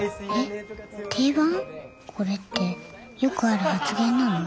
これってよくある発言なの？